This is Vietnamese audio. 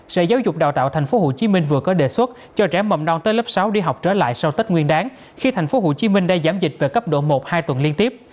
sở giáo dục đào tạo tp hcm vừa có đề xuất cho trẻ mầm non tới lớp sáu đi học trở lại sau tết nguyên đáng khi tp hcm đang giám dịch về cấp độ một hai tuần liên tiếp